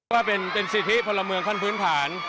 ว่าเป็นสิทธิพลเมืองขั้นพื้นฐาน